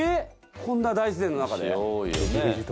こんな大自然の中で？